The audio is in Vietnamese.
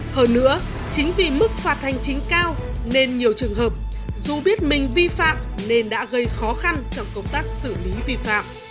hơn nữa chính vì mức phạt hành chính cao nên nhiều trường hợp dù biết mình vi phạm nên đã gây khó khăn trong công tác xử lý vi phạm